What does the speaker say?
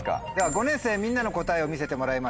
５年生みんなの答えを見せてもらいましょう。